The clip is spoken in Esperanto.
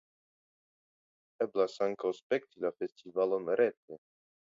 Eblas ankaŭ spekti la festivalon rete.